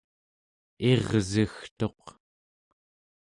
irsegtuq